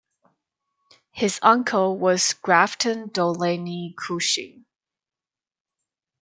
His uncle was Grafton Dulaney Cushing.